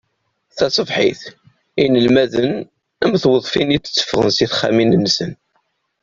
Taṣebḥit, inelmaden am tweḍfin i d-ttefɣen seg texxamin-nsen.